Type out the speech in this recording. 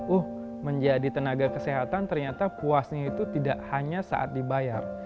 uh menjadi tenaga kesehatan ternyata puasnya itu tidak hanya saat dibayar